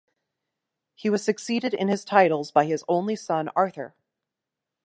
He was succeeded in his titles by his only son Arthur.